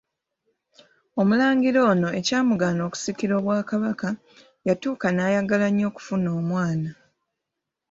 Omulangira ono ekyamugaana okusikira obwakabaka, yatuuka n'ayagala nnyo okufuna omwana.